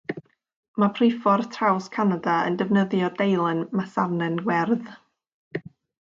Mae Priffordd Traws Canada yn defnyddio deilen masarnen werdd.